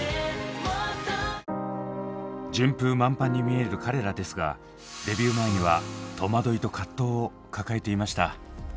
順風満帆に見える彼らですがデビュー前には戸惑いと葛藤を抱えていました。